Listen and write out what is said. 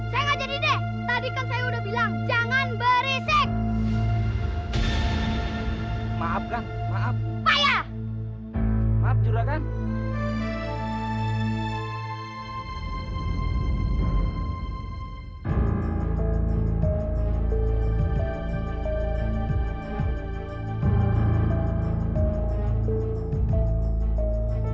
hai saya nggak jadi deh tadi kan saya udah bilang jangan berisik